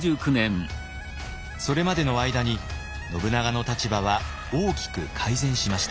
それまでの間に信長の立場は大きく改善しました。